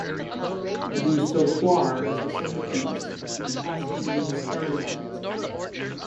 The sautoir is the centerpiece of the pascaline's carry mechanism.